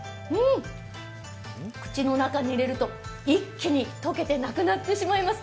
口の中に入れると一気に溶けてなくなってしまいます。